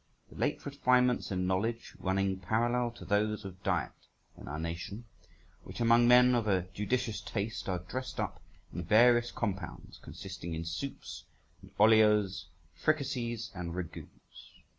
The late refinements in knowledge, running parallel to those of diet in our nation, which among men of a judicious taste are dressed up in various compounds, consisting in soups and olios, fricassees and ragouts.